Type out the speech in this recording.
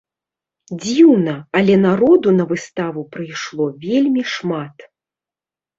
Дзіўна, але народу на выставу прыйшло вельмі шмат.